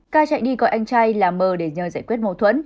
ca chạy đi gọi anh trai là mờ để nhờ giải quyết mâu thuẫn